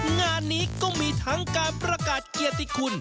งานนี้ก็มีทั้งการประกาศเกียรติคุณ